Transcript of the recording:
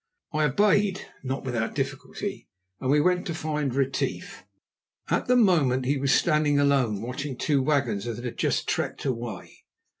I obeyed, not without difficulty, and we went to find Retief. At the moment he was standing alone, watching two wagons that had just trekked away.